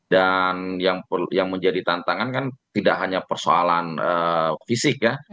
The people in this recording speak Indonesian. dan yang menjadi tantangan kan tidak hanya persoalan fisik ya